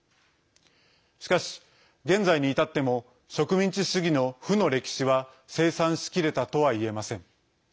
しかし、現在に至っても植民地主義の負の歴史は清算しきれたとはいえません。